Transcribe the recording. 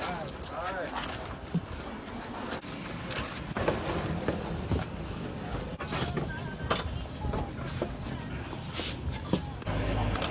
สุดท้ายสุดท้ายสุดท้าย